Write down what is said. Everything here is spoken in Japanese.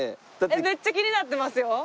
めっちゃ気になってますよ。